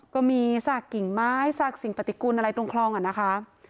ก็มีซากกิ่งไม้ซากสิ่งปฏิกุลอะไรตรงคลองอ่ะนะคะ